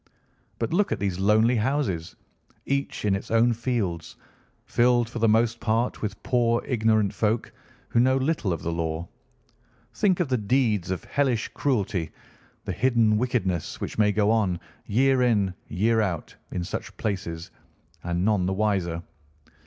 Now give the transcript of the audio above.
But look at these lonely houses, each in its own fields, filled for the most part with poor ignorant folk who know little of the law. Think of the deeds of hellish cruelty, the hidden wickedness which may go on, year in, year out, in such places, and none the wiser.